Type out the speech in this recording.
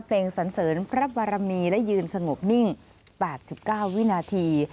เพลงสันเสริญพระบารมีและยืนสงบนิ่ง๘๙วินาที